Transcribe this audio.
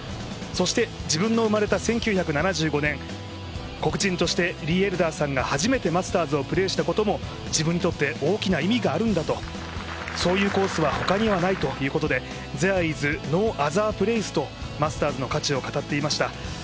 そして自分の生まれた１９７５年、黒人としてリー・エルダーさんが初めてマスターズをプレーしたことが自分にとって大きな意味があるんだと、そういうコースは他にはないということで、ゼア・イズ・ノー・アザー・プレイスとマスターズの価値を語っていました。